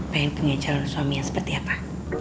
pengen punya calon suami yang seperti apa